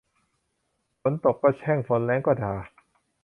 ฝนตกก็แช่ง ฝนแล้งก็ด่า